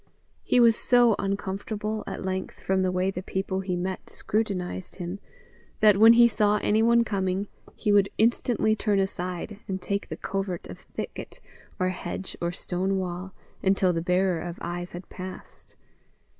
He was so uncomfortable at length from the way the people he met scrutinized him that, when he saw anyone coming, he would instantly turn aside and take the covert of thicket, or hedge, or stone wall, until the bearer of eyes had passed.